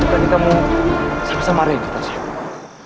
kami kamu sama sama ada yang kita cintai